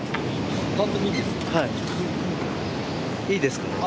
いいですか？